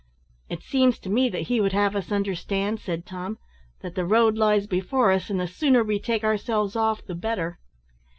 "It seems to me that he would have us understand," said Tom, "that the road lies before us, and the sooner we take ourselves off the better."